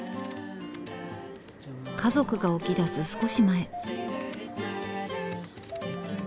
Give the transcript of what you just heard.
家族が起きだす少し前。